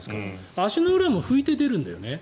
足の裏も拭いて出るんだよね。